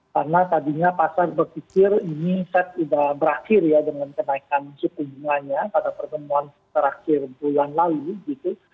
karena tadinya pasar berpikir ini set sudah berakhir ya dengan kenaikan suku bunganya pada pertumbuhan terakhir bulan lalu gitu